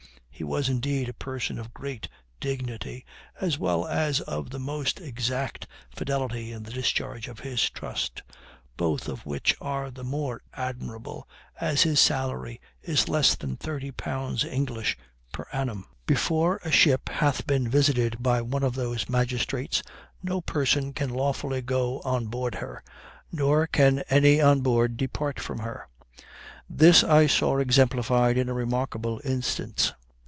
He was, indeed, a person of great dignity, as well as of the most exact fidelity in the discharge of his trust. Both which are the more admirable as his salary is less than thirty pounds English per annum. Before a ship hath been visited by one of those magistrates no person can lawfully go on board her, nor can any on board depart from her. This I saw exemplified in a remarkable instance.